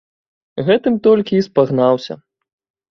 Гэтым толькі і спагнаўся.